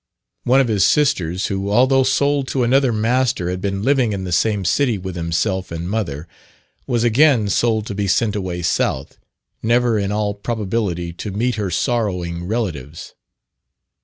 One of his sisters who, although sold to another master had been living in the same city with himself and mother, was again sold to be sent away south, never in all probability to meet her sorrowing relatives.